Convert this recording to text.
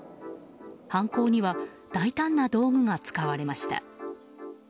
犯行には大胆な道具が使われました。